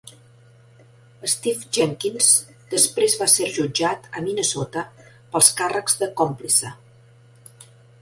Stif Jenkins després va ser jutjat a Minnesota pels càrrecs de còmplice.